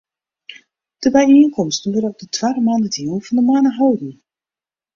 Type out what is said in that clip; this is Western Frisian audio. De byienkomsten wurde op de twadde moandeitejûn fan de moanne holden.